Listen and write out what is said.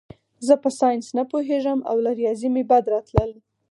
زه په ساینس نه پوهېږم او له ریاضي مې بد راتلل